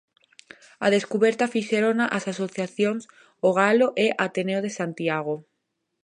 A descuberta fixérona as asociacións O Galo e Ateneo de Santiago.